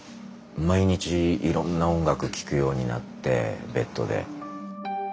毎日いろんな音楽聴くようになってベッドで。